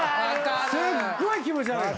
すっごい気持ち悪いの。